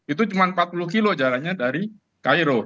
itu cuma empat puluh kilo jaraknya dari cairo